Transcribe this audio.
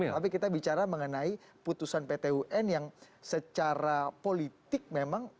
tapi kita bicara mengenai putusan pt un yang secara politik memang